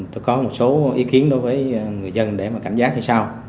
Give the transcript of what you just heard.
tôi có một số ý kiến đối với người dân để mà cảnh giác như sao